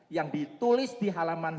yang ditulis di halaman